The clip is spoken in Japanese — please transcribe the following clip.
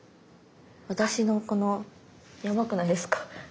私のこのヤバくないですか？